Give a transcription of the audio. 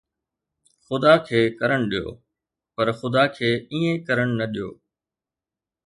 خدا کي ڪرڻ ڏيو، پر خدا کي ائين ڪرڻ نه ڏيو